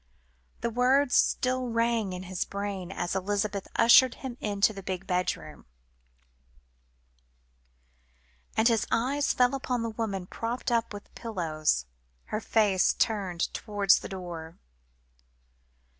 The words still rang in his brain as Elizabeth ushered him into a big bedroom, and his eyes fell upon the woman propped up with pillows, her face turned towards the door.